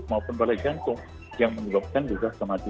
maupun pada jantung yang menyebabkan juga kematian